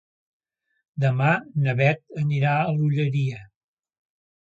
Demà na Beth anirà a l'Olleria.